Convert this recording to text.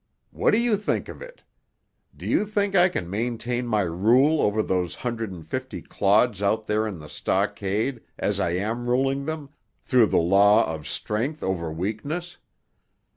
What do you think of it? Do you think I can maintain my rule over those hundred and fifty clods out there in the stockade as I am ruling them, through the law of strength over weakness?